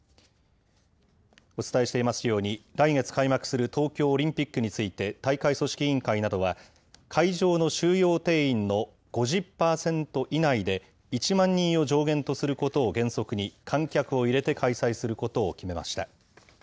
お伝えしていますように、来月開幕する東京オリンピックについて、大会組織委員会などは、会場の収容定員の５０％以内で、１万人を上限とすることを原則に、観客を入れて開催することを決めました。